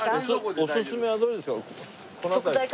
おすすめはどれですか？